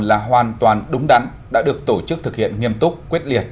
là hoàn toàn đúng đắn đã được tổ chức thực hiện nghiêm túc quyết liệt